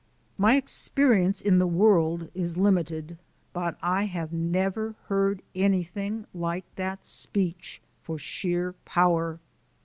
My experience in the world is limited, but I have never heard anything like that speech for sheer power.